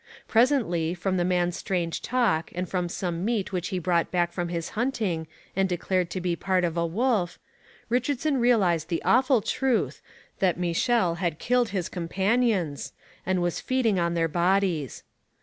Presently, from the man's strange talk and from some meat which he brought back from his hunting and declared to be part of a wolf, Richardson realized the awful truth that Michel had killed his companions and was feeding on their bodies.